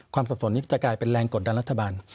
สับสนนี้จะกลายเป็นแรงกดดันรัฐบาล